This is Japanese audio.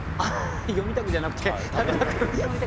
詠みたくじゃなくて食べたく。